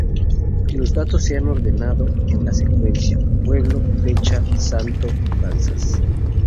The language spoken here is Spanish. Los datos se han ordenado en la secuencia: pueblo, fecha, santo, danzas.